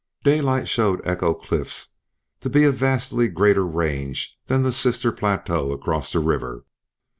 Daylight showed Echo Cliffs to be of vastly greater range than the sister plateau across the river.